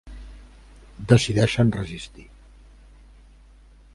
Decideixen resistir.